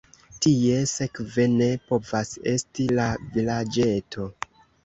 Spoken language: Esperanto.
Tie sekve ne povas esti la vilaĝeto.